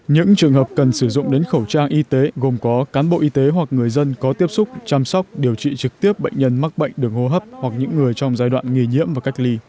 những trường hợp cần sử dụng đến khẩu trang y tế gồm có cán bộ y tế hoặc người dân có tiếp xúc chăm sóc điều trị trực tiếp bệnh nhân mắc bệnh đường hô hấp hoặc những người trong giai đoạn nghỉ nhiễm và cách ly